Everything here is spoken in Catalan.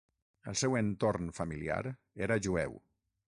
El seu entorn familiar era jueu.